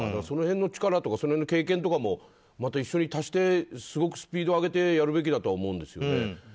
その辺の力とかその辺の経験とかも一緒に足してスピードを上げてやるべきだと思うんですよね。